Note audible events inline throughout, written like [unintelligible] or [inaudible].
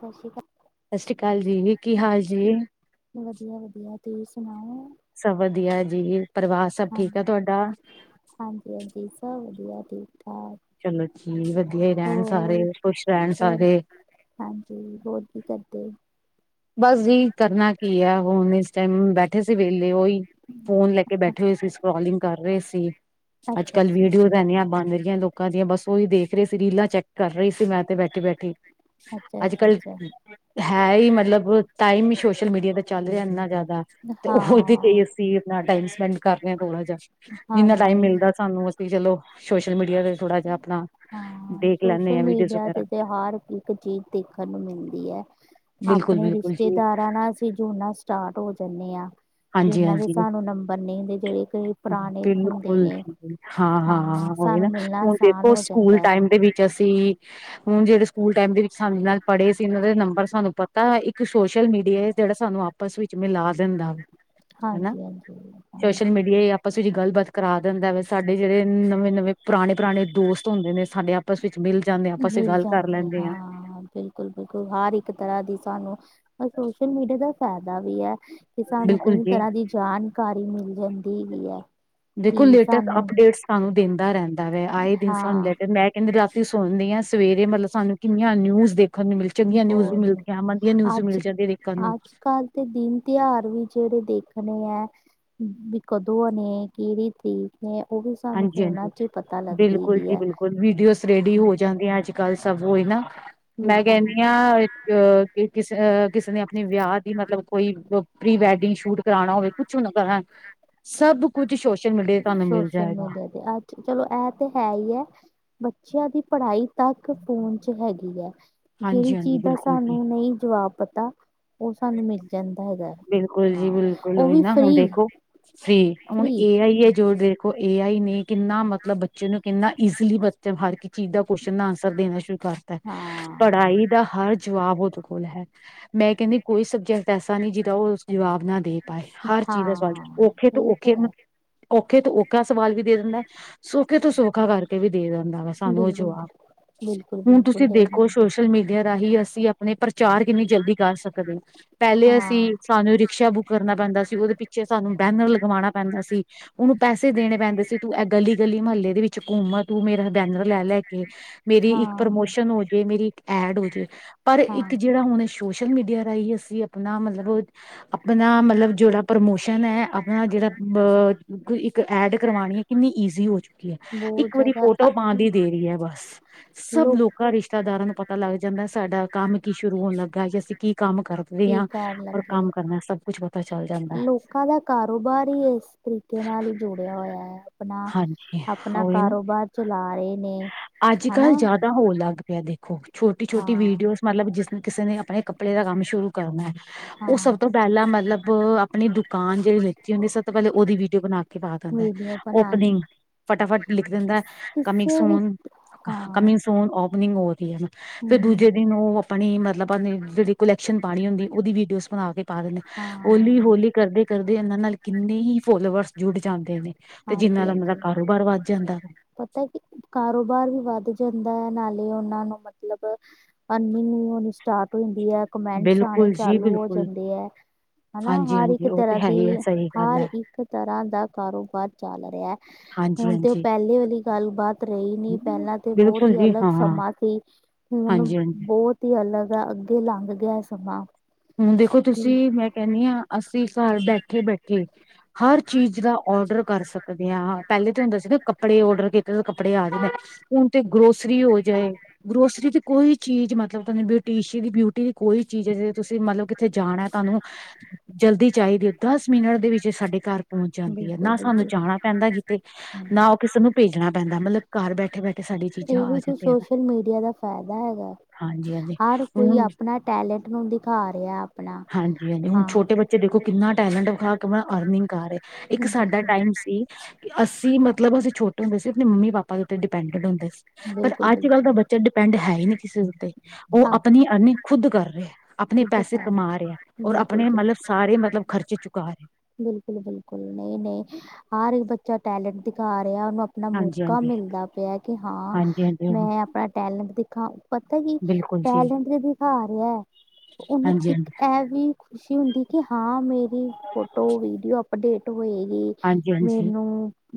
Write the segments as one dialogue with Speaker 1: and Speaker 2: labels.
Speaker 1: ਸਸ ਸ਼੍ਰੀ ਕਾਲ।
Speaker 2: ਸਸ ਸ਼੍ਰੀ ਕਾਲ ਜੀ, ਕੀ ਹਾਲ ਜੀ?
Speaker 1: ਵਦੀਆ-ਵਦੀਆ ਤੁਸੀਂ ਸੁਨਾਓ।
Speaker 2: ਸਭ ਵਦੀਆ ਜੀ, ਪਰਿਵਾਰ ਸਭ ਠੀਕ ਐ ਤੁਆਡਾ?
Speaker 1: ਹਾਂਜੀ-ਹਾਂਜੀ, ਸਭ ਵਦੀਆ ਠੀਕ ਠਾਕ।
Speaker 2: ਚਲੋ ਜੀ ਵਦੀਆ ਈ ਰੈਨ
Speaker 1: ਹੋਰ
Speaker 2: ਸਾਰੇ, ਖੁਸ਼ ਰੈਨ
Speaker 1: ਹੋਰ
Speaker 2: ਸਾਰੇ।
Speaker 1: ਹਾਂਜੀ, ਹੋਰ ਕੀ ਕਰਦੇ?
Speaker 2: ਬਸ ਜੀ ਕਰਨਾ ਕੀ ਐ, ਹੁਨ ਇਸ ਟਾਈਮ ਬੈਠੇ ਸੀ ਵੇਲੇ ਓਈ ਫੋਨ ਲੈ ਕੇ ਬੈਠੇ ਹੋਏ ਸੀ, ਸਕਰੋਲਿੰਗ ਕਰ ਰੇ ਸੀ।
Speaker 1: ਅੱਛਾ
Speaker 2: ਅੱਜ
Speaker 1: ਅੱਛਾ
Speaker 2: ਕੱਲ
Speaker 1: ਅੱਛਾ ਅੱਛਾ
Speaker 2: ਵੀਡੀਓਜ਼ ਐਨੀਆਂ ਬਨ ਰਿਆਂ ਲੋਕ ਲੋਕਾਂ ਦੀਆਂ ਬਸ ਓਈ ਦੇਖ ਰਹੀ ਸੀ, ਰੀਲਾਂ ਚੈੱਕ ਕਰ ਰੀ ਸੀ ਮੈਂ ਤੇ ਬੈਠੀ ਬੈਠੀ।
Speaker 1: ਅੱਛਾ
Speaker 2: ਅੱਜ-ਕੱਲ
Speaker 1: ਅੱਛਾ
Speaker 2: ਹੈਈ ਮਤਲਬ ਟਾਈਮ ਈ ਸੋਸ਼ਲ ਮੀਡੀਆ ਦਾ ਚੱਲ ਰਯਾ ਇੰਨਾ ਜਾਦਾ ਤੇ ਓਦੇ ਤੇ ਈ
Speaker 1: ਹਾਂ
Speaker 2: ਅਸੀਂ ਅਪਨਾ ਟਾਈਮ ਸਪੈਂਡ ਕਰ ਰੇ ਆਂ ਥੋੜਾ ਜਾ। ਜਿੰਨਾ
Speaker 1: ਹਾਂਜੀ
Speaker 2: ਟਾਈਮ
Speaker 1: ਹਾਂਜੀ
Speaker 2: ਮਿਲਦਾ ਸਾਨੂੰ ਅਸੀਂ ਚਲੋ ਸੋਸ਼ਲ ਮੀਡੀਆ ਦੇ ਥੋੜਾ ਜਾ ਅਪਣਾ
Speaker 1: ਹਾਂ
Speaker 2: ਦੇਖ
Speaker 1: ਸੋਸ਼ਲ
Speaker 2: ਲੈਂਨੇ ਆ ਵੀਡੀਓਜ਼
Speaker 1: ਮੀਡੀਆ
Speaker 2: ਵਗੈਰਾ।
Speaker 1: ਤੇ ਤੇ ਹਰ ਇੱਕ ਚੀਜ਼ ਦੇਖਣ
Speaker 2: ਬਿਲਕੁਲ-ਬਿਲਕੁਲ।
Speaker 1: ਤੇ ਦਾਰਾਂ ਨਾਲ ਅਸੀਂ ਜੁੜਨਾ ਸਟਾਰਟ ਹੋ ਜਾਂਨੇ ਆ।
Speaker 2: ਹਾਂਜੀ
Speaker 1: ਜਿੰਹਨਾਂ ਦੇ
Speaker 2: ਹਾਂਜੀ
Speaker 1: ਸਾਨੂੰ ਨੰਬਰ ਨੀ ਦੇ, ਜਿਹੜੇ ਕੋਈ ਪੁਰਾਣੇ ਹੁੰਦੇ
Speaker 2: ਬਿਲਕੁਲ
Speaker 1: ਨੇ।
Speaker 2: ਜੀ
Speaker 1: ਹਾਂ
Speaker 2: ਉਹੀ ਨਾ
Speaker 1: ਸਾਨੂੰ ਮਿਲਣਾ, ਆਸਾਨ
Speaker 2: ਦੇਖੋ
Speaker 1: ਹੋ
Speaker 2: ਸਕੂਲ
Speaker 1: ਜਾਂਦਾ
Speaker 2: ਟਾਈਮ ਦੇ ਵਿੱਚ ਅਸੀਂ ਹੁਣ ਜਿਹੜੇ ਸਕੂਲ ਟਾਈਮ ਦੇ ਵਿੱਚ ਸਾਨੂੰ ਨਾਲ ਪੜ੍ਹੇ ਸੀ, ਇਹਨਾਂ ਦੇ ਨੰਬਰ ਸਾਨੂੰ ਪਤਾ, ਇੱਕ ਸੋਸ਼ਲ ਮੀਡੀਆ ਜਿਹੜਾ ਸਾਨੂੰ ਆਪ ਆਪਸ ਵਿੱਚ ਮਿਲਾ ਦਿੰਦਾ।
Speaker 1: ਹਾਂਜੀ, ਹਾਂਜੀ, ਹਾਂਜੀ।
Speaker 2: ਪਸੀ ਜੀ ਗੱਲਬਾਤ ਕਰਾ ਦਿੰਦਾ ਵੈ ਸਾਡੇ ਜਿਹੜੇ ਨਵੇਂ-ਨਵੇਂ ਪੁਰਾਣੇ-ਪੁਰਾਣੇ ਦੋਸਤ ਹੁੰਦੇ ਨੇ ਸਾਡੇ ਆਪ ਆਪਸ ਵਿੱਚ ਮਿਲ ਜਾਣੇ ਆ ਆਪਸ ਗੱਲ ਕਰ ਲੈਂਣੇ ਆ।
Speaker 1: ਬਿਲਕੁਲ-ਬਿਲਕੁਲ, ਹਰ ਇੱਕ ਤਰ੍ਹਾਂ ਦੀ ਸਾਨੂੰ ਸੋਸ਼ਲ ਮੀਡੀਆ ਦਾ ਫਾਇਦਾ ਵੀ ਆ। ਕਿ ਸਾਨੂੰ
Speaker 2: ਬਿਲਕੁਲ
Speaker 1: ਕਈ
Speaker 2: ਜੀ
Speaker 1: ਤਰ੍ਹਾਂ ਦੀ ਜਾਣਕਾਰੀ ਮਿਲ ਜਾਂਦੀ ਹੈਗੀ ਆ,
Speaker 2: ਦੇਖੋ
Speaker 1: ਕਿ
Speaker 2: ਲੇਟੈਸਟ
Speaker 1: ਸਾਨੂੰ
Speaker 2: ਅਪਡੇਟ ਸਾਨੂੰ ਦਿੰਦਾ ਰਹਿੰਦਾ ਵੈ, ਆਏ ਦਿਨ ਸਾਨੂੰ ਲੈ
Speaker 1: ਹਾਂ
Speaker 2: ਦਿੰਦਾ ਇੱਕ ਕਹਿੰਦੇ ਰਾਤੀ ਸੁਣ ਲੀਆ ਸਵੇਰੇ ਮਤਲਬ ਸਾਨੂੰ ਕਿੰਨੀਆਂ ਨਿਊਜ਼ ਦੇਖਣ ਨੂੰ ਮਿਲ ਚੰਗੀਆਂ ਨਿਊਜ਼ ਵੀ
Speaker 1: ਬਹੁਤ
Speaker 2: ਮਿਲਦੀਆਂ, ਮੰਦੀਆ ਨਿਊਜ਼ ਵੀ ਮਿਲ ਜਾਂਦੀਆ ਦੇਖਣ ਨੂੰ।
Speaker 1: ਤੇ ਦਿਨ ਤਿਉਹਾਰ ਵੀ ਜਿਹੜੇ ਦੇਖਣੇ ਐ। ਵੀ ਕਦੋ ਨੇ ਕੀਹਰੀ ਤਰੀਕ, ਨੇ ਉਹ ਵੀ ਸਾਨੂੰ ਫੋਨਾਂ
Speaker 2: ਹਾਂਜੀ-ਹਾਂਜੀ,
Speaker 1: ਚ ਹੀ ਪਤਾ ਲੱਗਦੀ
Speaker 2: ਬਿਲਕੁਲ
Speaker 1: ਹੈਗੀ
Speaker 2: ਜੀ,
Speaker 1: ਹੈ
Speaker 2: ਬਿਲਕੁਲ ਵੀਡੀਓਜ਼ ਰੈਡੀ ਹੋ
Speaker 1: ਹਾਂ
Speaker 2: ਜਾਂਦੀਆਂ ਅੱਜ ਗੱਲ ਸਭ ਹੋਈ ਨਾ, ਮੈਂ
Speaker 1: ਬਿਲਕੁਲ
Speaker 2: ਕਹਿੰਦੀ ਆ ਅ ਕਿਸ ਅ ਕਿਸ ਨੇ ਆਪਣੇ ਵਿਆਹ ਦੀ ਮਤਲਬ ਕੋਈ ਪ੍ਰੀ ਵੈਡਿੰਗ ਸ਼ੂਟ ਕਰਾਉਣਾ ਹੋਵੇ। ਕੁਛ ਨਾ ਕਰਾਂ, ਸਭ ਕੁੱਛ ਸੋਸ਼ਲ ਮੀਡੀਆ ਤੁਹਾਨੂੰ ਮਿਲ
Speaker 1: ਸੋਸ਼ਲ
Speaker 2: ਜਾਏਗਾ
Speaker 1: ਮੀਡੀਆ ਤੇ ਅੱਜ ਚਲੋ ਇਹ ਤੇ ਹੈ ਈ ਆ ਬੱਚਿਆਂ ਦੀ ਪੜ੍ਹਾਈ ਤਕ ਫੋਨ ਚ ਹੈਗੀ ਆ, ਜਿਹੜੀ
Speaker 2: ਹਾਂਜੀ ਹਾਂਜੀ
Speaker 1: ਚੀਜ਼ ਦਾ
Speaker 2: ਬਿਲਕੁਲ ਜੀ
Speaker 1: ਸਾਨੂੰ ਨਹੀ ਜਵਾਬ ਪਤਾ, ਉਹ ਸਾਨੂੰ ਮਿਲ ਜਾਂਦਾ ਹੈਗਾ
Speaker 2: ਬਿਲਕੁਲ ਜੀ,
Speaker 1: ਹਾਂ
Speaker 2: ਬਿਲਕੁਲ
Speaker 1: ਉਹ
Speaker 2: ਹੋਈ
Speaker 1: ਵੀ
Speaker 2: ਨਾ
Speaker 1: ਫ੍ਰੀ
Speaker 2: ਹੁਣ ਦੇਖੋ। ਜੀ ਹੁਣ
Speaker 1: ਫ੍ਰੀ
Speaker 2: ਏ ਆਈ ਹੈ ਜੋ ਦੇਖੋ ਏ ਆਈ ਨੇ ਕਿੰਨਾ ਮਤਲਬ ਬੱਚੇ ਨੂੰ ਕਿੰਨਾ ਈਜ਼ਲੀ ਬੱਚਾ ਹਰ ਇਕ ਚੀਜ਼ ਦਾ ਕੌਸ਼ਿਨ ਦਾ ਅਨਸਰ ਦੇਣਾ ਸ਼ੁਰੂ ਕਰਤਾ,
Speaker 1: ਹਾਂ
Speaker 2: ਪੜ੍ਹਾਈ ਦਾ ਹਰ ਜਵਾਬ ਉਹਦੇ ਕੋਲ ਹੈ, ਮੈਂ ਕਹਿਣੀ ਆ ਕੋਈ ਸਬਜੈਕਟ ਐਸਾ ਨਹੀਂ ਜੀਹਦਾ ਉਹ ਜਵਾਬ ਨਾ ਦੇਣ। ਪਾਏ ਹਰ ਚੀਜ਼ ਦਾ ਸਵਾਲ
Speaker 1: ਹਾਂ
Speaker 2: ਔਖੇ ਤੋਂ
Speaker 1: ਇਹ ਤਾਂ
Speaker 2: ਔਖੇ
Speaker 1: ਹੈ
Speaker 2: ਮਤ, ਔਖੇ ਤੋਂ ਔਖਾ ਸਵਾਲ ਵੀ ਦੇ ਦਿੰਦਾ। ਸੌਖੇ ਤੋਂ ਸੌਖਾ ਕਰਕੇ ਵੀ ਦੇ ਦਿੰਦਾ ਵਾ ਸਾਨੂੰ ਉਹ ਜਵਾਬ।
Speaker 1: ਬਿਲਕੁਲ-ਬਿਲਕੁਲ ਜੀ।
Speaker 2: ਕਸੋਸ਼ਲ ਮੀਡੀਆ ਰਾਹੀਂ ਅਸੀਂ ਆਪਣੇ ਪ੍ਰਚਾਰ ਕਿੰਨੀ ਜਲਦੀ ਕਰ ਸਕਦੇ ਆ, ਪਹਿਲੇ ਅਸੀਂ
Speaker 1: ਹਾਂ
Speaker 2: ਸਾਨੂੰ ਰਿਕਸ਼ਾ ਬੁੱਕ ਕਰਨਾ ਪੈਂਦਾ ਸੀ, ਉਹਦੇ ਪਿੱਛੇ ਸਾਨੂੰ ਬੈਨਰ ਲਗਵਾਉਣਾ ਪੈਂਦਾ ਸੀ ਉਹਨੂੰ ਪੈਸੇ ਦੇਣੇ ਪੈਂਦੇ ਸੀ, ਤੂੰ ਇਹ ਗਲੀ-ਗਲੀ ਮਹੱਲੇ ਦੇ ਵਿੱਚ ਘੁੰਮ ਤੂੰ ਮੇਰਾ ਬੈਨਰ ਲੈ-ਲੈ ਕੇ ਮੇਰੀ ਇੱਕ
Speaker 1: ਹਾਂ
Speaker 2: ਪ੍ਰਮੋਸ਼ਨ ਹੋਜੇ, ਮੇਰੀ ਇੱਕ ਐਡ ਹੋ ਜੇ ਪਰ
Speaker 1: ਹਾਂ
Speaker 2: ਇੱਕ ਜਿਹੜਾ ਹੁਣ ਸੋਸ਼ਲ ਮੀਡੀਆ ਰਾਹੀਂ ਅਸੀਂ ਆਪਣਾ ਮਤਲਬ ਅਪ ਬਣਾ ਮਤਲਬ ਜਿਹੜਾ ਪ੍ਰਮੋਸ਼ਨ ਐ ਆਪਣਾ ਜਿਹੜਾ ਬ ਇੱਕ ਐਡ ਕਰਵਾਉਣੀ, ਕਿੰਨੀ ਈਜ਼ੀ ਹੋ ਚੁੱਕੀ ਏ
Speaker 1: ਬਹੁਤ
Speaker 2: ਇੱਕ ਵਾਰੀ
Speaker 1: ਜ਼ਿਆਦਾ
Speaker 2: ਫੋਟੋ ਪਾਉਣ ਦੀ ਦੇਰੀ ਆ ਬਸ ਸਭ
Speaker 1: ਲੋਕੀ
Speaker 2: ਲੋਕਾ ਰਿਸ਼ ਰਸਤੇਦਾਰਾ ਨੂੰ ਪਤਾ ਲੱਗ ਜਾਂਦਾ, ਸਾਡਾ ਕੰਮ ਕੀ ਸ਼ੁਰੂ ਹੋਣ ਲੱਗਾ ਜੇ ਅਸੀਂ ਕੀ ਕੰਮ ਕਰਦੇ
Speaker 1: ਕੀ
Speaker 2: ਹਾਂ
Speaker 1: ਕਰਨ
Speaker 2: ਔਰ
Speaker 1: ਲੱਗੇ ਆ,
Speaker 2: ਕੰਮ ਕਰਨਾ ਸਭ ਕੁਛ ਪਤਾ ਚੱਲ ਜਾਂਦਾ ਹੈ।
Speaker 1: ਲੋਕਾਂ ਦਾ ਕਾਰੋਬਾਰ ਹੀ ਇਸ ਤਰੀਕੇ ਨਾਲ ਹੀ ਜੁੜਿਆ ਹੋਇਆ ਏ, ਆਪਣਾ,
Speaker 2: ਹਾਂਜੀ
Speaker 1: ਆਪਣਾ ਕਾਰੋਬਾਰ ਚਲਾ ਰਹੇ ਨੇ। ਹਨਾ
Speaker 2: ਅੱਜ-ਕੱਲ ਜਿਆਦਾ ਹੋਣ ਲੱਗ ਪਿਆ ਦੇਖੋ ਛੋਟੀ-ਛੋਟੀ
Speaker 1: ਹਾਂ
Speaker 2: ਵੀਡੀਓਜ਼, ਮਤਲਬ ਜਿਸਨੇ ਕਿਸੇ ਨੇ ਆਪਣੇ ਕੱਪੜੇ ਦਾ ਕੰਮ ਸ਼ੁਰੂ ਕਰਨਾ ਉਹ
Speaker 1: ਹਾਂ
Speaker 2: ਸਭ ਤੋਂ ਪਹਿਲਾ ਮਤਲਬ, ਬ ਆਪਣੀ ਦੁਕਾਨ ਜਿਹੜੀ ਲੈਤੀ ਹੁੰਦੀ ਸਭ ਤੋਂ ਪਹਿਲੇ ਉਹਦੀ ਵੀਡੀਓ ਬਣਾ ਕੇ, ਪਾ ਦਿੰਦਾ,
Speaker 1: ਵੀਡੀਓ ਬਣਾਣੀ
Speaker 2: ਓਪਨਿੰਗ, ਫਟਾਫਟ ਲਿਖ ਦਿੰਦਾ
Speaker 1: ਕਿਸੇ ਵੀ
Speaker 2: ਕਮਿੰਗਸੂਨ,
Speaker 1: ਹਾਂ
Speaker 2: ਕਮਿੰਗ ਸ਼ੂਨ, ਓਪਨਿੰਗ ਉਹਦੀ ਆ ਨਾ ਫਿਰ
Speaker 1: ਹੂੰ
Speaker 2: ਦੂਜੇ ਦਿਨ ਉਹ ਆਪਣੀ ਮਤਲਬ ਨ ਜਿਹੜੀ ਕੁਲੈਕਸ਼ਨ ਪਾਣੀ ਹੁੰਦੀ ਉਹਦੀ ਵੀਡੀਓ ਪਾ ਦਿੰਦੇ ਹੋਲੀ
Speaker 1: ਹਾਂ
Speaker 2: ਰੋਲੀ ਕਰਦੇ ਕਰਦੇ ਇਹਨਾਂ ਨਾਲ ਕਿੰਨੇ ਹੀ ਫੋਲੋਵਰਸ ਜੁੱਟ ਜਾਂਦੇ ਨੇ ਤੇ
Speaker 1: ਹਾਂਜੀ
Speaker 2: ਜਿਹਨਾਂ ਨਾਲ ਮਤਲਬ ਦਾ ਕਾਰੋਬਾਰ ਵੱਧ ਜਾਂਦੇ
Speaker 1: ਤਕੀ ਕਾਰੋਬਾਰ ਵੀ ਵੱਧ ਜਾਂਦਾ ਏ ਨਾਲੇ ਉਹਨਾਂ ਨੂੰ ਮਤਲਬ ਅਰਨਿੰਗ ਹੋਣੀ ਸਟਾਰਟ ਹੋ ਜਾਂਦੀ ਆ ਕਮੈਂਟਸ ਆਣੇ
Speaker 2: ਬਿਲਕੁਲ ਜੀ
Speaker 1: ਚਾਲੂ ਹੋ
Speaker 2: ਬਿਲਕੁਲ
Speaker 1: ਜਾਂਦੇ ਆ ਹਨਾ
Speaker 2: ਹਾਂਜੀ
Speaker 1: ਹਰ ਇੱਕ
Speaker 2: ਹਾਂਜੀ ਉਹ ਤੇ
Speaker 1: ਤਰ੍ਹਾਂ
Speaker 2: ਹੈ
Speaker 1: ਦੀ
Speaker 2: ਹੀ ਹੈ ਸਹੀ ਗੱਲ
Speaker 1: ਹਰ
Speaker 2: ਹੈ
Speaker 1: ਇੱਕ ਤਰ੍ਹਾਂ ਦਾ ਕਾਰੋਬਾਰ ਲੜਿਆ
Speaker 2: ਹਾਂਜੀ
Speaker 1: ਹੁਣ ਤੇ ਉਹ
Speaker 2: ਹਾਂਜੀ
Speaker 1: ਪਹਿਲੇ ਵਾਲੀ ਗੱਲ ਬਾਤ ਰਹੀ ਨੀ ਪਹਿਲਾਂ ਤੇ ਬਹੁਤ
Speaker 2: ਬਿਲਕੁਲ
Speaker 1: ਹੀ
Speaker 2: ਜੀ
Speaker 1: ਅਲੱਗ
Speaker 2: ਹਾਂ
Speaker 1: ਸਮਾਂ ਸੀ। ਹੁਣ
Speaker 2: ਹਾਂਜੀ ਹਾਂਜੀ
Speaker 1: ਬਹੁਤ ਈ ਅਲੱਗ ਆ ਅੱਗੇ ਲੰਘ ਗਿਆ ਸਮਾਂ
Speaker 2: ਹੁਣ ਦੇਖੋ
Speaker 1: ਤੇ
Speaker 2: ਤੁਸੀਂ ਮੈਂ ਕਹਿਣੀ ਆ ਅਸੀਂ ਘਰ ਬੈਠੇ ਬੈਠੇ ਹਰ ਚੀਜ਼ ਦਾ ਓਡਰ ਕਰ ਸਕਦੇ ਹਾਂ ਪਹਿਲੇ ਤਾਂ ਹੁੰਦਾ ਸੀ ਨਾ ਕੱਪੜੇ ਓਡਰ ਕੀਤੇ ਕੱਪੜੇ ਆ ਜਾਂਦੇ ਹੁਣ ਤੇ ਗਰੋਸਰੀ ਹੋ ਜਾਏ। ਗਰੋਸਰੀ ਦੀ ਕੋਈ ਚੀਜ਼ ਮਤਲਬ ਤੁਹਾਨੂੰ ਬਿਊਟੀਸ਼ੀ ਦੀ ਬਿਊਟੀ ਦੀ ਕੋਈ ਚੀਜ਼ ਤੁਸੀਂ ਮਤਲਬ ਕਿੱਥੇ ਜਾਣਾ ਤੁਹਾਨੂੰ ਜਲਦੀ ਚਾਹੀਦੀ ਹੈ। ਦਸ ਮਿੰਟ ਦੇ ਵਿੱਚ ਸਾਡੇ ਘਰ ਪਹੁੰਚ ਜਾਂਦੀ ਹੈ
Speaker 1: ਬਿਲਕੁਲ
Speaker 2: ਨਾ ਸਾਨੂੰ
Speaker 1: ਬਿਲਕੁਲ
Speaker 2: ਜਾਣਾ ਪੈਂਦਾ ਕਿਤੇ
Speaker 1: ਹਾਂ
Speaker 2: ਨਾ ਉਹ ਕਿਸੇ ਨੂੰ ਭੇਜਣਾ ਪੈਂਦਾ ਮਤਲਬ ਘਰ ਬੈਠੇ ਬੈਠੇ ਸਾਡੀ ਚੀਜ਼ਾਂ ਆ
Speaker 1: ਇਹੀ ਤੇ
Speaker 2: ਜਾਂਦੀਆਂ
Speaker 1: ਸੋਸ਼ਲ ਮੀਡੀਆ ਦਾ ਫਾਇਦਾ ਹੈਗਾ।
Speaker 2: ਹਾਂਜੀ ਹਾਂਜੀ
Speaker 1: ਹਰ ਕੋਈ
Speaker 2: ਹ
Speaker 1: ਆਪਣਾ ਟੈਲੈਂਟ ਨੂੰ ਦਿਖਾ ਰਿਹਾ ਆਪਣਾ
Speaker 2: ਹਾਂਜੀ ਹਾਂਜੀ ਹੁਣ
Speaker 1: ਹਾਂ
Speaker 2: ਛੋਟੇ ਬੱਚੇ ਦੇਖੋ ਕਿੰਨਾ ਟੈਲੈਂਟ ਵਿਖਾ ਕਿ ਅਰਨਿੰਗ ਕਰ ਰਹੇ। ਇੱਕ ਸਾਡਾ
Speaker 1: ਬਿਲਕੁਲ
Speaker 2: ਟਾਈਮ ਸੀ ਅਸੀਂ ਮਤਲਬ ਅਸੀਂ ਛੋਟੇ ਹੁੰਦੇ ਸੀ ਆਪਣੇ ਮੰਮੀ ਪਾਪਾ ਦੇ ਉੱਤੇ ਡਿਪੈਂਡਟ ਹੁੰਦੇ ਸੀ। ਪਰ
Speaker 1: ਬਿਲਕੁਲ
Speaker 2: ਅੱਜ ਕੱਲ੍ਹ ਦਾ
Speaker 1: ਬਿਲਕੁਲ
Speaker 2: ਬੱਚਾ ਡਿਪੈਂਡ ਹੈ ਹੀ ਨਹੀਂ ਕਿਸੇ ਉੱਤੇ ਉਹ
Speaker 1: ਆਪ
Speaker 2: ਆਪਣੀ ਅਰਨਿੰਗ ਖੁਦ ਕਰ ਰਿਹਾ। ਆਪਣੇ
Speaker 1: ਖੁਦ
Speaker 2: ਪੈਸੇ
Speaker 1: ਕਰ
Speaker 2: ਕਮਾ ਰਹੇ ਔਰ
Speaker 1: ਬਿਲਕੁਲ
Speaker 2: ਆਪਣੇ ਮਤਲਬ
Speaker 1: ਬਿਲਕੁਲ
Speaker 2: ਸਾਰੇ ਮਤਲਬ ਖਰਚੇ ਚੁਕਾ ਰਹੇ।
Speaker 1: ਬਿਲਕੁਲ ਬਿਲਕੁਲ ਨਹੀਂ ਨਹੀਂ ਹਰ ਇੱਕ ਬੱਚਾ ਟੈਲੈਂਟ ਦਿਖਾ ਰਿਹਾ ਉਹਨੂੰ ਆਪਣਾ
Speaker 2: ਹਾਂਜੀ
Speaker 1: ਮੌਕਾ
Speaker 2: ਹਾਂਜੀ
Speaker 1: ਮਿਲਦਾ ਪਿਆ ਕਿ ਹਾਂ
Speaker 2: ਹਾਂਜੀ ਹਾਂਜੀ ਹ
Speaker 1: ਮੈਂ ਆਪਣਾ ਟੈਲੈਂਟ ਦਿਖਾਂ ਪਤਾ ਕੀ
Speaker 2: ਬਿਲਕੁਲ ਜੀ
Speaker 1: ਟੈਲੈਂਟ ਲਈ ਦਿਖਾ ਰਿਹਾ ਉਹਨੂੰ
Speaker 2: ਹਾਂਜੀ
Speaker 1: ਇੱਕ
Speaker 2: ਹਾਂਜੀ
Speaker 1: ਇਹ ਵੀ ਖੁਸ਼ੀ ਹੁੰਦੀ ਕਿ ਹਾਂ ਮੇਰੀ ਫੋਟੋ ਵੀਡੀਓ ਅਪਡੇਟ ਹੋਏਗੀ।
Speaker 2: ਹਾਂਜੀ ਹਾਂਜੀ ਹਾਂਜੀ
Speaker 1: ਮੈਨੂੰ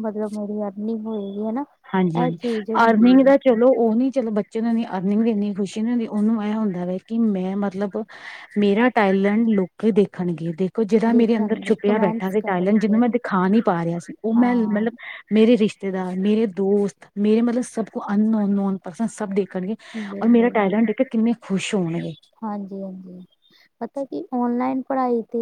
Speaker 1: ਮਤਲਬ ਮੇਰੀ ਅਰਨਿੰਗ ਹੋਏਗੀ ਹਨਾ
Speaker 2: ਹਾਂਜੀ
Speaker 1: ਇਹ
Speaker 2: ਹਾਂਜੀ
Speaker 1: ਚੀਜ਼ ਹੁੰਦੀ
Speaker 2: ਅਰਨਿੰਗ
Speaker 1: ਹੈ
Speaker 2: ਦਾ ਚਲੋ ਉਹ ਨੀ ਚਲੋ ਬੱਚੇ ਨੂੰ ਅਰਨਿੰਗ ਦਿੰਦੀ ਖੁਸ਼ੀ ਨਹੀਂ ਹੁੰਦੀ ਉਹਨੂੰ ਇਹ ਹੁੰਦਾ ਵ ਕਿ ਮੈਂ ਮਤਲਬ ਮੇਰਾ ਟੈਲੈਂਟ ਲੋਕੀ ਦੇਖਣਗੇ ਦੇਖ ਜਿਹੜਾ ਮੇਰੇ ਅੰਦਰ
Speaker 1: ਦੇਖਣਗੇ
Speaker 2: ਛੁਪਿਆ ਬੈਠਾ
Speaker 1: ਕਮੈਂਟਸ
Speaker 2: ਸੀ ਟਾਇਲੈਂਡ ਜਿਹਨੂੰ
Speaker 1: ਕਰਨਗੇ
Speaker 2: ਮੈਂ ਦਿਖਾ ਨੀ ਪਾ ਰਿਹਾ ਸੀ ਉਹ ਮੈਂ
Speaker 1: ਹਾਂ
Speaker 2: ਮਤਲਬ ਮੇਰੇ ਰਿਸ਼ਤੇਦਾਰ ਮੇਰੇ ਦੋਸਤ ਮੇਰੇ ਮਤਲਬ ਸਭ ਕੁ ਅਨੋ ਨੋਨ ਪਰਸਨ ਸਭ ਦੇ ਹੋਣਗੇ ਔਰ ਮੇਰਾ
Speaker 1: ਬਿਲਕੁਲ
Speaker 2: ਟੈਲੈਂਟ ਕਿੰਨੇ ਖੁਸ਼ ਹੋਣਗੇ
Speaker 1: ਹਾਂਜੀ ਹਾਂਜੀ ਪਤਾ ਕੀ ਓਨਲਾਈਨ ਪੜ੍ਹਾਈ ਤੇ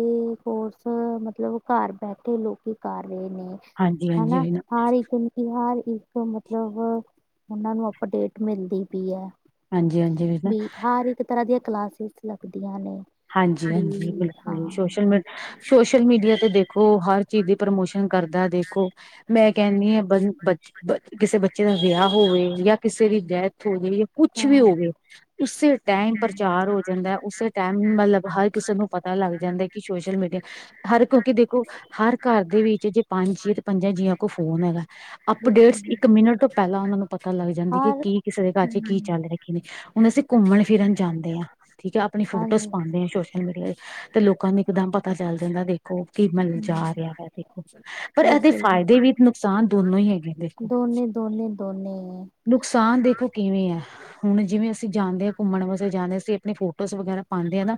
Speaker 1: ਕੋਰਸ ਮਤਲਬ ਘਰ ਬੈਠੇ ਲੋਕੀ ਕਰ ਰਹੇ ਨੇ
Speaker 2: ਹਾਂਜੀ ਹਾਂਜੀ
Speaker 1: ਹਨਾ
Speaker 2: ਵੀਰ ਨਾ
Speaker 1: ਹਰ ਇੱਕ ਫਿਲਹਾਲ ਇੱਕ ਮਤਲਬ ਉਹਨਾਂ ਨੂੰ ਅਪਡੇਟ ਮਿਲਦੀ ਪਈ ਹੈ
Speaker 2: ਹਾਂਜੀ ਹਾਂਜੀ ਵੀਰ ਨਾ
Speaker 1: ਵੀ ਹਰ ਇੱਕ ਤਰ੍ਹਾਂ ਦੀਆਂ ਕਲਾਸਸ਼ ਲੱਗਦੀਆਂ ਨੇ
Speaker 2: ਹਾਂਜੀ
Speaker 1: ਵੀ
Speaker 2: ਹਾਂਜੀ ਬਿਲਕੁਲ ਜੀ
Speaker 1: ਹਾਂ
Speaker 2: ਸੋਸ਼ਲ ਮੀ ਸੋਸ਼ਲ ਮੀਡੀਆ ਤੇ ਦੇਖੋ ਹਰ ਚੀਜ਼ ਦੀ ਪ੍ਰਮੋਸ਼ਨ ਕਰਦਾ ਦੇਖੋ ਮੈਂ ਕਹਿੰਦੀ ਹਾਂ ਬ ਬੱਚ ਬ ਕਿਸੇ ਬੱਚੇ ਦਾ ਵਿਆਹ ਹੋਵੇ ਜਾਂ ਕਿਸੇ ਦੀ ਡੈਥ ਹੋ ਜਾਵੇ ਕੁਛ
Speaker 1: ਤਾਂ
Speaker 2: ਵੀ ਹੋਵੇ ਉਸੇ ਟਾਈਮ
Speaker 1: ਹਮ,
Speaker 2: ਪ੍ਰਚਾਰ ਹੋ ਜਾਂਦਾ ਉਸੇ ਟਾਈਮ ਮਤਲਬ ਹਰ ਕਿਸਮ ਨੂੰ ਪਤਾ ਲੱਗ ਜਾਂਦਾ ਕਿ ਸੋਸ਼ਲ ਮੀਡੀਆ ਹਰ ਕਿਉਂਕਿ ਦੇਖੋ ਘਰ ਦੇ ਵਿੱਚ ਪੰਜ ਜਏ ਤੇ ਪੰਜਾਂ ਜੀਆਂ ਕੋਈ ਫੋਨ ਹੈਗਾ।
Speaker 1: ਬਿਲਕੁਲ
Speaker 2: ਅਪਡੇਟਸ
Speaker 1: ਬਿਲਕੁਲ।
Speaker 2: ਇੱਕ ਮਿੰਟ ਤੋਂ ਪਹਿਲਾਂ ਉਹਨਾਂ ਨੂੰ ਪਤਾ ਲੱਗ ਜਾਂਦੀ ਕਿ
Speaker 1: ਹਰ
Speaker 2: ਕੀ ਕਿਸੇ ਦੇ ਘਰ ਚ ਕੀ
Speaker 1: ਹਮ
Speaker 2: ਚੱਲ ਰਿਹਾ। ਹੁਣ ਅਸੀਂ ਘੁੰਮਣ ਫਿਰਨ ਜਾਂਦੇ ਹਾਂ ਠੀਕ ਆ ਆਪਣੀ
Speaker 1: ਹਾਂਜੀ
Speaker 2: ਫੋਟੋਜ਼ ਪਾਉਂਦੇ ਸੋਸ਼ਲ ਮੀਡੀਆ ਤੇ ਲੋਕਾਂ ਨੂੰ ਇੱਕਦਮ ਪਤਾ ਚੱਲ ਜਾਂਦਾ ਦੇਖੋ ਕੀ ਮ
Speaker 1: ਹਮ
Speaker 2: ਜਾ ਰਿਹਾ ਵ ਦੇਖੋ। ਪਰ ਇਹਦੇ
Speaker 1: ਬਿਲਕੁਲ ਬਿਲਕੁਲ।
Speaker 2: ਫ਼ਾਇਦੇ ਨੁਕਸਾਨ ਦੋਨੋ ਹੀ ਹੈਗੇ ਦੇਖੋ।
Speaker 1: ਦੋਨੇ ਦੋਨੇ ਦੋਨੇ
Speaker 2: ਨੁਕਸਾਨ ਦੇਖੋ ਕਿਵੇਂ ਹੈ ਹੁਣ ਜਿਵੇਂ ਅਸੀਂ ਜਾਂਦੇ ਹਾਂ ਘੁੰਮਣ ਵਾਸਤੇ ਜਾਂਦੇ ਹਾਂ ਅਸੀਂ ਆਪਣੀ ਫੋਟੋਜ਼ ਵਗੈਰਾ ਪਾਉਂਦੇ ਆ ਨਾ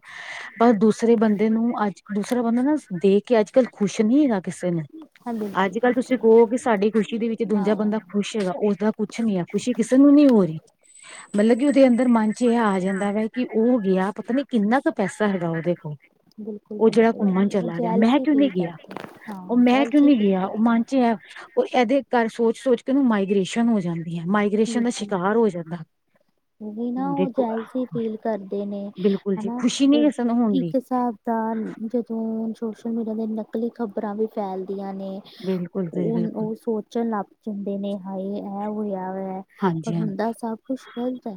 Speaker 2: ਪਰ ਦੂਸਰੇ ਬੰਦੇ ਨੂੰ ਅੱਜ ਦੂਸਰਾ ਬੰਦਾ ਨਾ ਦੇਖ ਕੇ ਅੱਜ ਕੱਲ੍ਹ ਖੁਸ਼ ਨਹੀ ਹੈਗਾ। ਕਿਸੇ ਨੂੰ
Speaker 1: ਹਾਂ ਬਿਲਕੁਲ
Speaker 2: ਅੱਜ ਕੱਲ ਤੁਸੀਂ ਕਹੋ ਕਿ ਸਾਡੀ ਖੁਸ਼ੀ ਦੇ ਵਿੱਚ
Speaker 1: ਹਾਂ
Speaker 2: ਦੂਜਾ ਬੰਦਾ ਖੁਸ਼ ਗਾ ਉਸਦਾ ਕੁਛ ਨੀ ਹੈ ਖੁਸ਼ੀ ਕਿਸੇ ਨੂੰ ਨਹੀਂ ਹੋ ਰਹੀ। ਮਤਲਬ ਕਿ ਉਹਦੇ ਅੰਦਰ ਮਨ ਚ ਇਹ ਆ ਜਾਂਦਾ ਵਾ ਕਿ ਉਹ ਗਿਆ ਪਤਾ ਨੀ ਕਿੰਨਾ ਕੁ ਪੈਸਾ ਹੈਗਾ ਉਹਦੇ ਕੋਲ
Speaker 1: ਬਿਲਕੁਲ
Speaker 2: ਉਹ ਜਿਹੜਾ ਘੁੰਮਣ
Speaker 1: ਬਿਲਕੁਲ
Speaker 2: ਚਲਾ ਗਿਆ ਮੈਂ
Speaker 1: ਜੈਲਸੀ
Speaker 2: ਕਿਉਂ
Speaker 1: ਫੀਲ
Speaker 2: ਨਹੀਂ ਗਿਆ
Speaker 1: ਜੈਲਸੀ ਕਰਦੇ ਹਾਂ ਜੈਲ ਫੀਲ ਕਰਦੇ
Speaker 2: ਏਦੇ ਦੇ ਕਰ ਸੋਚ ਸੋਚ ਉਹਨੂੰ ਮਾਈਗ੍ਰੇਸ਼ਨ ਚਲੋ ਹੋ ਜਾਂਦੀ ਹੈ। ਮਾਈਗ੍ਰੇਸ਼ਨ ਦਾ ਸ਼ਿਕਾਰ ਹੋ ਜਾਂਦਾ ਦੇਖੋ
Speaker 1: ਅ ਫੀਲ ਕਰਦੇ ਨੇ
Speaker 2: ਬਿਲਕੁਲ ਜੀ
Speaker 1: ਹਨਾ,
Speaker 2: ਖੁਸ਼ੀ ਨਹੀਂ
Speaker 1: ਉਹ
Speaker 2: ਕਿਸੇ ਨੂੰ ਹੁੰਦੀ
Speaker 1: ਇੱਕ ਹਾਬ ਤਾਂ ਜਦੋਂ ਸੋਸ਼ਲ ਮੀਡੀਆ ਨਕਲੀ ਖਬਰਾਂ ਵੀ ਫੈਲਦੀਆਂ ਨੇ
Speaker 2: ਬਿਲਕੁਲ ਜੀ
Speaker 1: ਉਹ
Speaker 2: ਬਿਲਕੁਲ
Speaker 1: -ਉਹ ਸੋਚਣ ਲੱਗ ਜਾਂਦੇ, ਨੇ ਹਾਏ ਇਹ ਹੋਇਆ ਵਾ ਹੋਇਆ। ਪਰ
Speaker 2: ਹਾਂਜੀ ਹਾਂਜੀ
Speaker 1: ਹੁੰਦਾ ਸਭ ਕੁਛ ਗ਼ਲਤ ਹੈ।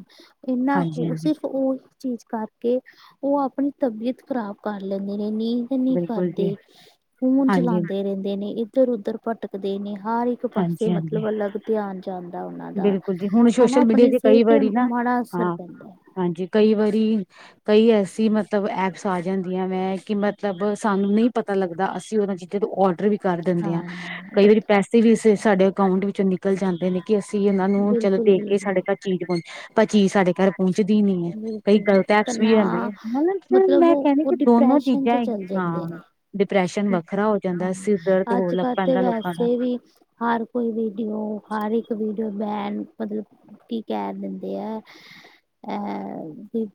Speaker 1: ਇਹਨਾਂ
Speaker 2: ਹਾਂਜੀ
Speaker 1: ਹੋਰ
Speaker 2: ਹਾਂਜੀ
Speaker 1: ਸੀ ਉਹ ਚੀਜ਼ ਕਰਕੇ, ਉਹ ਆਪਣੀ ਤਬੀਅਤ ਖ਼ਰਾਬ ਕਰ ਲੈਂਦੇ ਨੇ ਨੀ ਕੁਝ ਨਹੀਂ
Speaker 2: ਬਿਲਕੁਲ ਜੀ
Speaker 1: ਕਰਦੇ ਫੋਨ
Speaker 2: ਹਾਂਜੀ
Speaker 1: ਚਲਾਉਂਦੇ ਰਹਿੰਦੇ ਨੇ, ਇੱਧਰ ਉੱਧਰ ਭਟਕਦੇ ਨੇ ਹਰ ਇੱਕ ਇੱਕ ਪਾਸੇ
Speaker 2: ਹਾਂਜੀ ਹਾਂਜੀ
Speaker 1: ਮਤਲਬ ਅਲੱਗ ਧਿਆਨ ਕੁਝ ਨਹੀਂ ਜਾਂਦਾ, ਉਹਨਾਂ ਦਾ
Speaker 2: ਬਿਲਕੁਲ ਜੀ ਹੁਣ
Speaker 1: ਹਨਾ,
Speaker 2: ਸੋਸ਼ਲ ਮੀਡੀਆ
Speaker 1: ਆਪਣੀ
Speaker 2: ਕਈ
Speaker 1: ਸਿਹਤ ਤੇ
Speaker 2: ਵਾਰੀ ਨਾ
Speaker 1: ਮਾੜਾ ਅਸਰ
Speaker 2: ਹਾਂ
Speaker 1: ਪੈਂਦਾ ਹੈ।
Speaker 2: ਹਾਂਜੀ, ਕਈ ਵਾਰੀ ਕਈ ਐਸੀ ਮਤਲਬ ਐਪਸ ਆ ਜਾਂਦੀਆਂ ਵੈਂ, ਕਿ ਮਤਲਬ ਸਾਨੂੰ ਨਹੀਂ ਪਤਾ ਪਤਾ ਲੱਗਦਾ, ਅਸੀਂ ਉਹਨਾਂ ਚੀਜ਼ਾਂ ਤੋਂ ਆਡਰ ਵੀ ਕਰ ਦਿੰਦੇ ਆਂ
Speaker 1: ਹਾਂ
Speaker 2: ਕਈ ਵਾਰੀ ਪੈਸੇ ਵੀ ਇਸ ਸਾਡੇ ਅਕਾਊਂਟ ਵਿੱਚੋਂ ਨਿਕਲ ਜਾਂਦੇ ਨੇ। ਕਿ ਅਸੀਂ ਉਹਨਾ ਨੂੰ ਚਲੋ
Speaker 1: ਬਿਲਕੁਲ ਬਿਲਕੁਲ
Speaker 2: ਦੇਖ ਕੇ
Speaker 1: ਬਿਲਕੁਲ
Speaker 2: ਸਾਡੇ ਘਰ ਚੀਜ਼ ਪਹੁੰਚੇ ਪਰ ਚੀਜ਼ ਸਾਡੇ ਘਰ ਪਹੁੰਚਦੀ ਨੀ ਹੈ, ਕਈ ਗਲਤ
Speaker 1: ਬਿਲਕੁਲ
Speaker 2: ਐਪਸ ਵੀ ਜਾਂਦੇ,
Speaker 1: ਤਨਾਅ
Speaker 2: ਅਗਰ
Speaker 1: ਮਤਲਬ
Speaker 2: ਮੈਂ ਕਹਿਣੀ
Speaker 1: ਉਹ
Speaker 2: ਕਿ ਦੋਨੋ
Speaker 1: ਡਿਪਰੈਸ਼ਨ ਚ
Speaker 2: ਚੀਜ਼ਾਂ
Speaker 1: ਚੱਲ
Speaker 2: ਹੈਗੀਆਂ
Speaker 1: ਜਾਂਦੇ
Speaker 2: ਹਾਂ
Speaker 1: ਨੇ
Speaker 2: ਡਿਪਰੈਸ਼ਨ ਵੱਖਰਾ ਹੋ ਜਾਂਦਾ, ਸਿਰ ਦਰਦ
Speaker 1: ਹਾਂ
Speaker 2: ਹੋਣ
Speaker 1: ਅੱਜ
Speaker 2: ਲੱਗ
Speaker 1: ਕੱਲ ਤੇ
Speaker 2: ਪੈਂਦਾ ਲੋਕਾਂ
Speaker 1: ਵੈਸੇ
Speaker 2: ਦਾ
Speaker 1: ਵੀ ਹਰ ਕੋਈ ਵੀਡੀਓ ਹਰ ਇੱਕ ਵੀਡੀਓ ਬੈਨ ਮਤਲਬ ਕੀ ਕਹਿ ਦਿੰਦੇ ਆ ਅਹ ਵੀ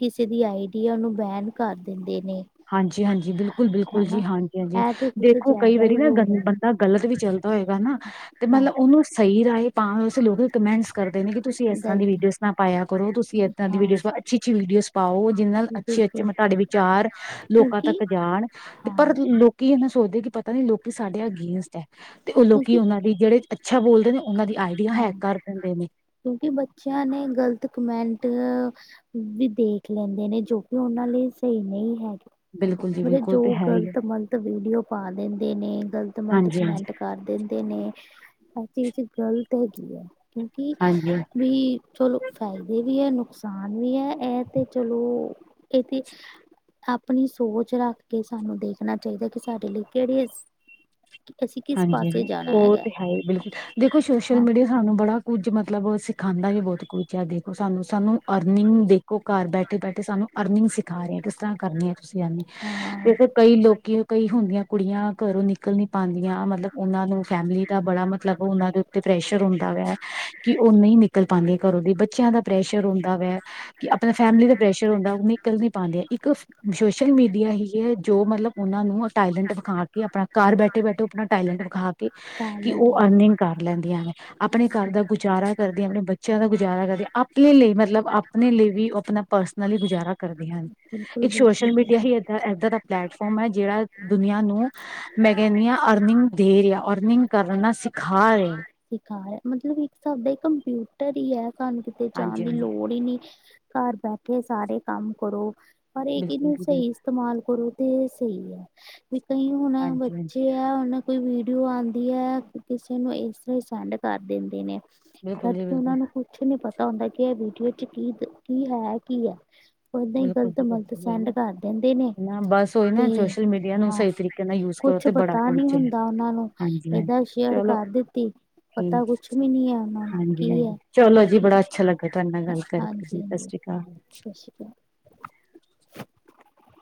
Speaker 1: ਕਿਸੇ ਦੀ ਆਈਡੀਆ ਓਹ ਨੂੰ ਬੈਨ ਕਰ ਦਿੰਦੇ ਨੇ
Speaker 2: 'ਹਾਂਜੀ- ਹਾਂਜੀ' ਬਿਲਕੁਲ- ਬਿਲਕੁਲ ਜੀ
Speaker 1: ਹਨਾ
Speaker 2: ਹਾਂਜੀ- ਹਾਂਜੀ
Speaker 1: ਇਹ ਤੇ ਕੁਛ
Speaker 2: ਦੇਖੋ ਕਈ
Speaker 1: ਜ਼ਿਆਦਾ
Speaker 2: ਵਾਰੀ
Speaker 1: ਹੀ
Speaker 2: ਨਾ
Speaker 1: ਹੋ ਰਿਹਾ
Speaker 2: ਬੰਦਾ ਗਲਤ ਵੀ ਚੱਲਦਾ ਹੋਏਗਾ ਨਾ ਤੇ
Speaker 1: ਹਾਂ
Speaker 2: ਮਤਲਬ ਉਹਨੂੰ ਸਹੀ ਰਾਏ ਭਾਵੇਂ ਉਸ ਨੂੰ ਲੋਕ ਕਮੈਂਟਸ ਕਰਦੇ ਨੇ, ਕਿ ਤੁਸੀਂ ਇਸ ਤਰ੍ਹਾਂ ਦੀ
Speaker 1: ਗ਼ਲਤ
Speaker 2: ਵੀਡੀਓਜ਼ ਨਾ ਪਾਇਆ ਕਰੋ, ਤੁਸੀਂ ਏਦਾਂ ਦੀ
Speaker 1: ਹਾਂ
Speaker 2: ਵੀਡੀਓਜ਼ ਅੱਛੀ- ਅੱਛੀ ਵੀਡੀਓਜ਼ ਪਾਓ, ਜਿਹਨ੍ਹਾਂ ਨਾਲ ਅੱਛੇ ਅੱਛੇ
Speaker 1: ਬਿਲਕੁਲ
Speaker 2: ਮ ਤੁਹਾਡੇ ਵਿਚਾਰ ਲੋਕਾਂ
Speaker 1: ਕਿਉਂਕਿ
Speaker 2: ਤੱਕ ਜਾਣ ਤੇ
Speaker 1: ਹਾਂ
Speaker 2: ਪਰ ਲੋਕੀ ਇਹਨਾ ਸੋਚਦੇ ਕਿ ਪਤਾ ਨੀ ਲੋਕੀ ਸਾਡੇ ਅਗੇਸਟ ਆ। 'ਤੇ ਉਹ ਲੋਕੀ
Speaker 1: ਕਿਉਂਕਿ
Speaker 2: ਉਹਨਾਂ ਦੀ ਜਿਹੜੇ ਅੱਛਾ ਬੋਲਦੇ ਨੇ ਉਹਨਾਂ ਦੀ ਆਈਡੀਆ
Speaker 1: ਹਾਂ
Speaker 2: ਹੈਕ ਕਰ ਦਿੰਦੇ ਨੇ
Speaker 1: ਕਿਉਂਕਿ ਬੱਚਿਆਂ ਨੇ ਗ਼ਲਤ ਕਮੈਂਟ ਆ ਉਹ ਵੀ ਦੇਖ ਲੈਂਦੇ ਨੇ ਜੋ ਕਿ ਉਹਨਾਂ ਲਈ ਸਹੀ ਨਹੀਂ ਹੈਗੇ।
Speaker 2: ਬਿਲਕੁਲ ਜੀ
Speaker 1: ਮਤਲਬ
Speaker 2: ਬਿਲਕੁਲ ਤੇ
Speaker 1: ਜੋ
Speaker 2: ਹੈ ਹੀ ਆ,
Speaker 1: ਗ਼ਲਤ ਮਲਤ ਵੀਡੀਓ ਪਾ ਦਿੰਦੇ ਨੇ ਗ਼ਲਤ ਮਲਤ
Speaker 2: ਹਾਂਜੀ-ਹਾਂਜੀ,
Speaker 1: ਕਮੈਂਟ ਕਰ ਦਿੰਦੇ ਨੇ, ਇਹ ਚੀਜ਼ ਗਲਤ ਹੈਗੀ ਹੈ। ਕਿਉਂਕਿ
Speaker 2: ਹਾਂਜੀ। ਹਾਂਜੀ
Speaker 1: ਵੀ ਚਲੋ ਫਾਇਦੇ ਵੀ ਹੈ, ਨੁਕਸਾਨ ਵੀ ਹੈ, ਇਹ ਤੇ ਚਲੋ ਇਹ ਤੇ ਆਪਣੀ ਸੋਚ ਰੱਖ ਕੇ ਸਾਨੂੰ ਦੇਖਣਾ ਚਾਹੀਦਾ, ਕਿ ਸਾਡੇ ਲਈ ਕਿਹੜੇ ਅਸੀਂ ਕਿਸ ਪਾਸੇ
Speaker 2: ਹਾਂਜੀ
Speaker 1: ਜਾਣਾ
Speaker 2: ਉਹ
Speaker 1: ਹੈਗਾ
Speaker 2: ਤਾਂ ਹੈ ਹੀ ਬਿਲਕੁਲ ਦੇਖੋ ਸੋਸ਼ਲ
Speaker 1: ਹਾਂ
Speaker 2: ਮੀਡੀਆ ਸਾਨੂੰ ਬੜਾ ਕੁੱਝ ਮਤਲਬ ਸਿਖਾਉਂਦਾ ਵੀ ਬਹੁਤ ਕੁੱਛ ਹੈ ਸਾਨੂੰ ਸਾਨੂੰ ਅਰਨਿੰਗ ਦੇਖੋ ਘਰ ਬੈ ਠੇ ਬੈਠੇ ਸਾਨੂੰ ਅਰਨਿੰਗ ਸਿਖਾ ਰਹੇ ਕਿਸ ਤਰ੍ਹਾਂ ਕਰਨੀ ਏ ਤੁਸੀਂ ਅਰਨਿੰਗ ਤੇ
Speaker 1: ਹਾਂ
Speaker 2: ਫਿਰ ਕਈ ਲੋਕੀ ਕਈ ਹੁੰਦੀਆਂ ਕੁੜੀਆਂ ਘਰੋਂ ਨਿਕਲ ਨੀ ਪਾਉਂਦੀਆਂ ਹਾਂ ਮਤਲਬ ਉਹਨਾਂ ਨੂੰ ਫੈਮਿਲੀ ਦਾ ਬੜਾ ਮਤਲਬ ਉਹਨਾਂ ਦੇ ਤੇ ਪ੍ਰੈਸ਼ਰ ਹੁੰਦਾ ਵੈ ਕਿ ਉਹ ਨਹੀਂ ਨਿਕਲ ਪਾਉਂਦੀਆਂ ਘਰੋਂ ਦੀ ਬੱਚਿਆਂ ਦਾ ਪ੍ਰੈਸ਼ਰ ਹੁੰਦਾ ਵੈ ਕਿ ਆਪਣਾ ਫੈਮਿਲੀ ਦਾ ਪ੍ਰੈਸ਼ਰ ਹੁੰਦਾ ਉਹ ਨਿਕਲ ਨਹੀਂ ਪਾਂਉਦੇ ਇੱਕ [unintelligible] ਸੋਸ਼ਲ ਮੀਡੀਆ ਹੀ ਹੈ ਜੋ ਮਤਲਬ ਉਹਨਾਂ ਨੂੰ ਅ ਟੈਲੈਂਟ ਵਿਖਾ ਕੇ ਆਪਣਾ ਘਰ ਬੈਠੇ ਬੈਠੇ ਆਪਣਾ ਟੈਲੈਂਟ ਵਿਖਾ ਕੇ ਕਿ
Speaker 1: ਟੈਲੈਂਟ
Speaker 2: ਉਹ
Speaker 1: ਹੈ
Speaker 2: ਅਰਨਿੰਗ ਕਰ ਲੈਂਦੀਆਂ ਵੇ ਆਪਣੇ ਘਰ ਦਾ ਗੁਜ਼ਾਰਾ ਕਰਦੀਆਂ ਆਪਣੇ ਬੱਚਿਆਂ ਦਾ ਗੁਜ਼ਾਰਾ ਕਰਦੀਆਂ ਆਪਣੇ ਲਈ ਮਤਲਬ ਆਪਣੇ ਲਈ ਵੀ ੳਹ ਆਪਣਾ ਪਰਸਨਲੀ ਗੁਜ਼ਾਰਾ ਕਰਦੀਆਂ ਹਨ
Speaker 1: ਬਿਲਕੁਲ
Speaker 2: ਇੱਕ
Speaker 1: ਬਿਲਕੁਲ
Speaker 2: ਸੋਸ਼ਲ ਮੀਡੀਆ
Speaker 1: ਬਿਲਕੁਲ
Speaker 2: ਹੀ ਏਦਾਂ ਏਦਾਂ ਦਾ ਪਲੈਟਫੋਰਮ ਹੈ ਜਿਹੜਾ ਦੁਨੀਆਂ ਨੂੰ ਮੈ ਕੇਨੀਆਂ ਅਰਨਿੰਗ ਦੇ ਰਿਆ ਔਰਨਿੰਗ ਕਰਨਾ ਸਿਖਾ ਰਹੇ
Speaker 1: ਸਿਖਾ ਰਿਹਾ ਮਤਲਬ ਇੱਕ ਹਿਸਾਬ ਦਾ ਕੰਪਿਊਟਰ ਹੀ ਹੈ ਸਾਨੂੰ ਕਿਤੇ
Speaker 2: ਹਾਂਜੀ
Speaker 1: ਜਾਣ ਦੀ
Speaker 2: ਹਾਂਜੀ
Speaker 1: ਲੋੜ ਹੀ ਨੀ ਘਰ ਬੈਠੇ ਸਾਰੇ ਕੰਮ ਕਰੋ ਪਰ ਇਹ ਹੈ ਕੀ
Speaker 2: ਬਿਲਕੁਲ
Speaker 1: ਇਹਨੁੰ
Speaker 2: ਜੀ
Speaker 1: ਸਹੀ
Speaker 2: ਬਿਲਕੁਲ
Speaker 1: ਇਸਤੇਮਾਲ ਕਰੋ ਇਹ ਸਹੀ ਹੈ ਵੀ ਕਈ ਹੁਣ
Speaker 2: ਹਾਂਜੀ ਹਾਂਜੀ
Speaker 1: ਬੱਚੇ ਐ ਹੁਣ ਕੋਈ ਵੀਡੀਓ ਆਉਂਦੀ ਹੈ ਕਿਸੇ ਨੂੰ ਇਸ ਤਰ੍ਹਾਂ ਹੀ ਸੈਂਡ ਕਰ ਦਿੰਦੇ ਨੇ
Speaker 2: ਬਿਲਕੁਲ
Speaker 1: ਜਦ
Speaker 2: ਜੀ
Speaker 1: ਕਿ
Speaker 2: ਬਿਲਕੁਲ
Speaker 1: ਉਹਨਾਂ ਨੂੰ ਕੁੱਛ ਨੀ ਪਤਾ ਹੁੰਦਾ ਕਿ ਇਹ ਵੀਡੀਓ ਚ ਕੀ ਦ ਕੀ ਹੈ ਕੀ ਹੈ ਏਦਾਂ ਹੀ
Speaker 2: ਬਿਲਕੁਲ
Speaker 1: ਗਲਤ
Speaker 2: ਜੀ
Speaker 1: ਮਲਤ
Speaker 2: ਬਿਲਕੁਲ ਸਹੀ
Speaker 1: ਸੈਂਡ
Speaker 2: ਨਾ
Speaker 1: ਕਰ ਦਿੰਦੇ ਨੇ
Speaker 2: ਨਾ ਬਸ ਉਹੀ
Speaker 1: ਤੇ
Speaker 2: ਨਾ ਸੋਸ਼ਲ ਮੀਡੀਆ ਨੂੰ
Speaker 1: ਹਾਂ
Speaker 2: ਸਹੀ ਤਰੀਕੇ ਨਾਲ ਯੂਜ ਕਰੋ
Speaker 1: ਕੁੱਛ
Speaker 2: ਤੇ ਬੜਾ
Speaker 1: ਪਤਾ
Speaker 2: ਕੁਝ
Speaker 1: ਨੀ
Speaker 2: ਹੈ
Speaker 1: ਹੁੰਦਾ ਉਹਨਾਂ ਨੂੰ ਏਦਾਂ ਸ਼ੇਅਰ ਕਰ ਦਿੱਤੀ
Speaker 2: ਹਾਂ
Speaker 1: ਪਤਾ ਕੁਛ ਵੀ ਨਹੀਂ ਹੈ ਉਹਨਾਂ ਨੂੰ
Speaker 2: ਹਾਂਜੀ ਹਾਂ
Speaker 1: ਕੀ ਹੈ
Speaker 2: ਚਲੋ ਜੀ ਬੜਾ ਅੱਛਾ ਲੱਗਾ ਤੁਹਾਡੇ ਨਾਲ ਗੱਲ ਕਰਕੇ ਜੀ
Speaker 1: ਹਾਂਜੀ
Speaker 2: ਸਤਿ
Speaker 1: ਹਾਂਜੀ
Speaker 2: ਸ਼੍ਰੀ [unintelligible]
Speaker 1: ਸਤਿ ਸ਼੍ਰੀ ਅਕਾਲ
Speaker 2: [inaudible]